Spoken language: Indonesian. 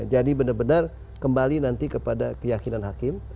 jadi benar benar kembali nanti kepada keyakinan hakim